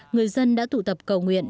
người dân đã tụ tập cầu nguyện